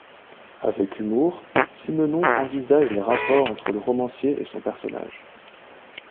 Avec humour, Simenon envisage les rapports entre le romancier et son personnage.